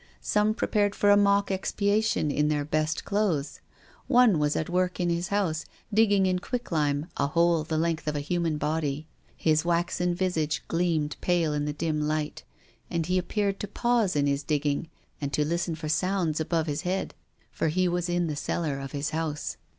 Some prepared for a mock expiation in their best clothes. One was at work in his house, digging in quicklime a hole the length of a human body. His waxen visage gleamed pale in the dim light, and he appeared to pause in his digging and to listen for sounds above his head. For he was in the cellar of his house.